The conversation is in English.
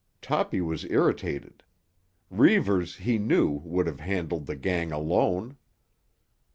Toppy was irritated. Reivers, he knew, would have handled the gang alone.